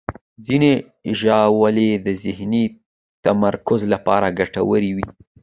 ځینې ژاولې د ذهني تمرکز لپاره ګټورې وي.